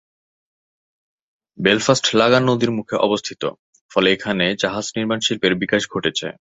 Belfast Lagan নদীর মুখে অবস্থিত, ফলে এখানে জাহাজ নির্মাণ শিল্পের বিকাশ ঘটেছে।